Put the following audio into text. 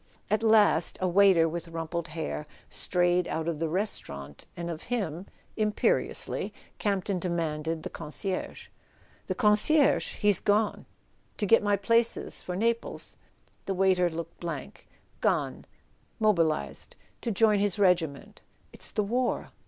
At last a waiter with rumpled hair strayed out of the restaurant, and of him, imperiously, Campton demanded the con¬ cierge. "The concierge? He's gone." "To get my places for Naples?" The waiter looked blank. "Gone: mobilised—to join his regiment. It's the war."